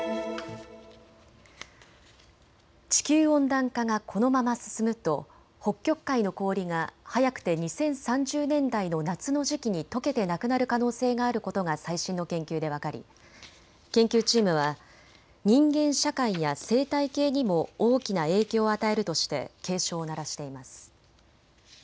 地球温暖化がこのまま進むと北極海の氷が早くて２０３０年代の夏の時期にとけてなくなる可能性があることが最新の研究で分かり研究チームは人間社会や生態系にも大きな影響を与えるとして警鐘を鳴らしています。